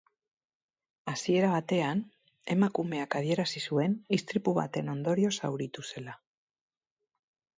Hasiera batean, emakumeak adierazi zuen istripu baten ondorioz zauritu zela.